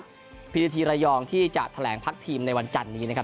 พีนาทีระยองที่จะแถลงพักทีมในวันจันนี้นะครับ